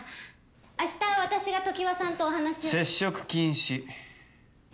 あした私が常盤さんとお話を接触禁止えっ！？